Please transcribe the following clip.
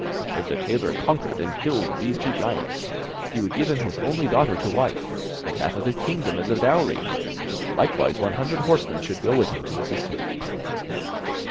If the tailor conquered and killed these two giants, he would give him his only daughter to wife, and half of his kingdom as a dowry, likewise one hundred horsemen should go with him to assist him.